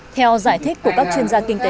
theo giải thích của các chuyên gia kinh tế